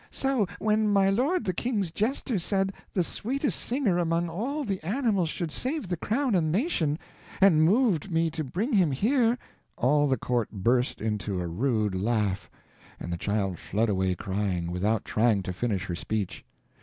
So when my lord the king's jester said the sweetest singer among all the animals should save the crown and nation, and moved me to bring him here " All the court burst into a rude laugh, and the child fled away crying, without trying to finish her speech.